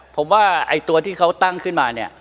ผมว่าไอ้ตัวที่เขาตั้งขึ้นมาเนี่ย